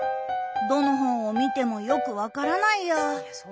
どの本を見てもよく分からないや。